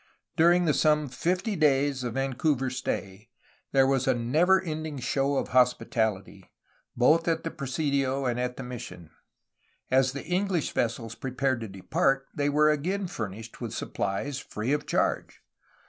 During the some fifty days of Vancouver's stay, there was a never ending show of hospitality, both at the presidio and at the mission. As the English vessels prepared to depart they were again furnished with supplies free of charge.